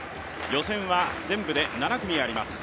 予選は全部で７組あります。